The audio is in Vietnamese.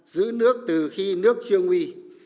giữ nước từ khi nước chưa nguy